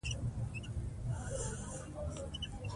د ښخي غږ عورت نه دی